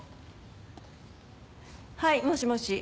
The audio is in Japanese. はいもしもし。